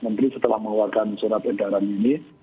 menteri setelah mengeluarkan surat edaran ini